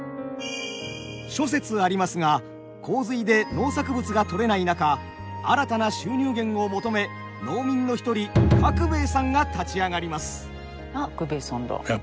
諸説ありますが洪水で農作物が取れない中新たな収入源を求め農民の一人角兵衛さんが立ち上がります。